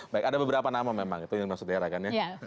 baik ada beberapa nama memang itu yang maksudnya ya rakan ya